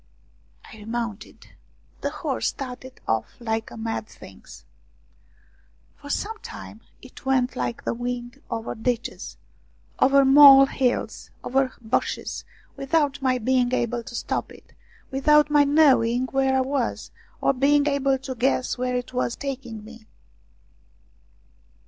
I remounted. The horse started off like a mad thing. For some time it went like the wind over ditches, over mole hills, over bushes, without my being able to stop it, without my knowing where I was, or being able to guess where it was taking me.